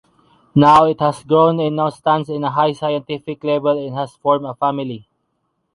Now it has grown and now stands in a high scientific level and has formed a family